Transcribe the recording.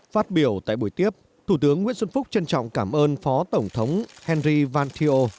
phát biểu tại buổi tiếp thủ tướng nguyễn xuân phúc trân trọng cảm ơn phó tổng thống henry vankio